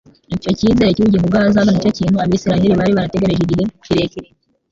Icyo cyizere cy’ubugingo bw’ahazaza nicyo kintu Abisiraheli bari barategereje igihe kirekire,